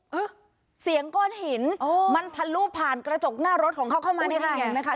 ฮึเสียงก้นหินอ๋อมันทะลูบผ่านกระจกหน้ารถของเขาเข้ามาเนี้ยค่ะ